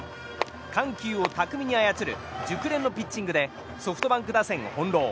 緩急を巧みに操る熟練のピッチングでソフトバンク打線を翻弄。